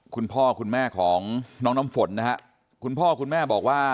คุณพ่อคุณแม่ของน้องน้ำฝนนะฮะคุณพ่อคุณแม่บอกว่า